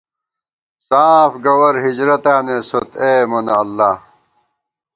ساف گوَر ہجرتاں نېسوت، اےمونہ اللہ